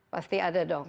pasti ada dong